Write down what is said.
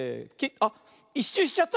あっ１しゅうしちゃった。